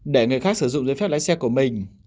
để người khác sử dụng giấy phép lái xe của mình